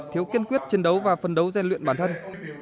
thiếu kiên quyết chiến đấu và phân đấu gian luyện bản thân